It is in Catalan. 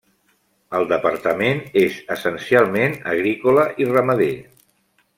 El departament és essencialment agrícola i ramader.